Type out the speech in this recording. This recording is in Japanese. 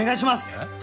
えっ？